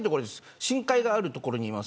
深海がある所にいます。